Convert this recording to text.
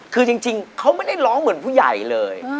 คือจริงเขาไม่ได้ร้องเหมือนผู้ใหญ่เลย